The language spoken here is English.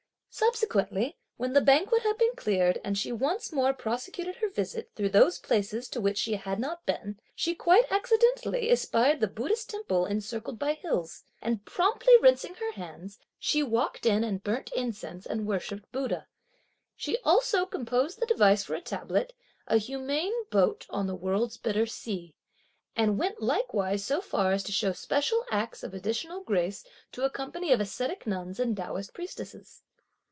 Subsequently, when the banquet had been cleared, and she once more prosecuted her visit through those places to which she had not been, she quite accidentally espied the Buddhist Temple encircled by hills, and promptly rinsing her hands, she walked in and burnt incense and worshipped Buddha. She also composed the device for a tablet, "a humane boat on the (world's) bitter sea," and went likewise so far as to show special acts of additional grace to a company of ascetic nuns and Taoist priestesses.